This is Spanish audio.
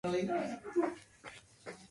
Está cerca de Roa y de Aranda de Duero.